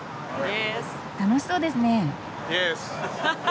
楽しそうですね。